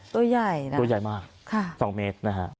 โต๊ะใหญ่นะโต๊ะใหญ่มาก๒เมตรนะครับ